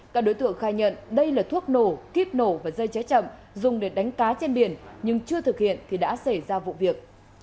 các đối tượng khai nhận đây là thuốc nổ kiếp nổ và dây cháy chậm dùng để đánh cá trên biển nhưng chưa thực hiện thì đã xảy ra vụ việc